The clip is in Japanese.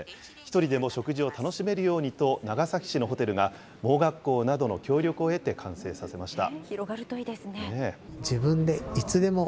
１人でも食事を楽しめるようにと長崎市のホテルが、盲学校などの協力を得て完成させました。